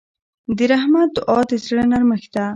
د رحمت دعا د زړه نرمښت ده.